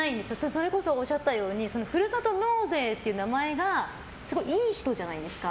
それこそおっしゃったとおりふるさと納税っていう名前がすごいいい人じゃないですか。